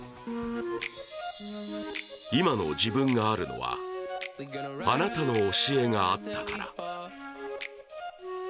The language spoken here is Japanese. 今の自分があるのは、あなたの教えがあったから。